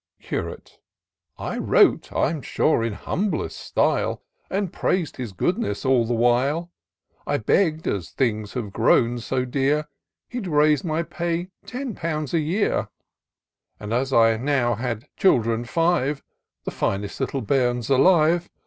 Curate. " I wrote, I'm sure, in humblest style. And prais'd his goodness all the while :) IN SEARCH t)F THE PICTURESQUE. 63 I tegg'd, as things had grown so dear, He'd raise my pay ten pminds a year ; And, as I now had children five, The finest Kttle bairns alive.